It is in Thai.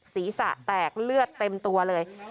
ศีรษะแตกเลือดเต็มตัวเลย